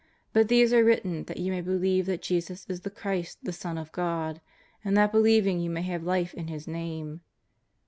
But these are written that you may believe that Jesus is the Christ the Son of God, and that believing you may have life in His Name."